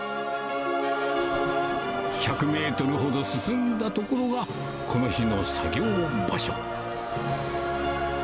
１００メートルほど進んだ所が、この日の作業場所。